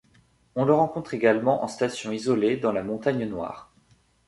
On le rencontre également en station isolée dans la Montagne Noire.